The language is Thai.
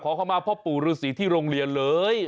เข้ามาพ่อปู่ฤษีที่โรงเรียนเลย